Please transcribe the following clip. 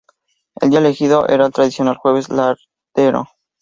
El día elegido era el tradicional Jueves Lardero.